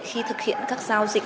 khi thực hiện các giấy tờ và tài liệu